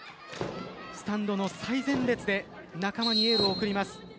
スタンドの最前列で仲間にエールを送ります。